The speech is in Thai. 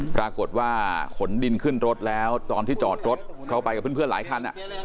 ปรากฏว่าขนดินขึ้นรถแล้วตอนที่จอดรถเข้าไปกับเพื่อนหลายคัน